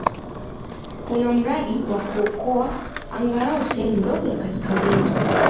Kuna mradi wa kuokoa angalau sehemu ndogo ya kaskazini.